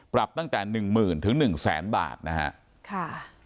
ปรับตั้งแต่๑๐๐๐ถึง๑แสนบาทนะฮะ